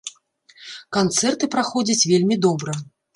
Канцэрты, праходзяць вельмі добра.